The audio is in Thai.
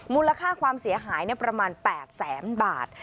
มูลค่าความเสียหายประมาณ๘แสนบาท